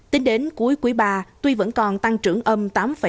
tính đến cuối quý ba tuy vẫn còn tăng trưởng âm tám